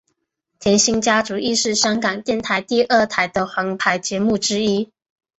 甜心家族亦是香港电台第二台的皇牌节目之一。